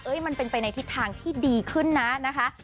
มันเป็นไปในทิศทางที่ดีขึ้นนะนะคะ